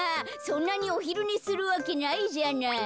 そんなにおひるねするわけないじゃない。